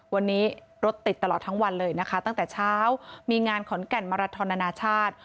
วันนี้รถติดตลอดทั้งวันเลยนะคะตั้งแต่เช้ามีงานขอนแก่นมาราทอนานาชาติ